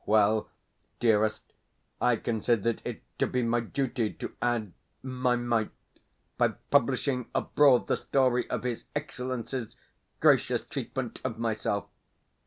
Well, dearest, I considered it to be my duty to add my mite by publishing abroad the story of his Excellency's gracious treatment of myself.